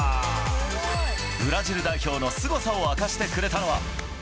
ブラジル代表のすごさを明かしてくれたのは。